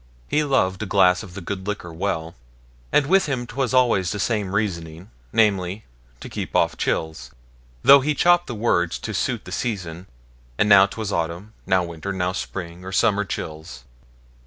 He loved a glass of the good liquor well, and with him 'twas always the same reasoning, namely, to keep off chills; though he chopped the words to suit the season, and now 'twas autumn, now winter, now spring, or summer chills.